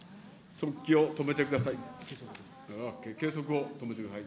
速記を止めてください。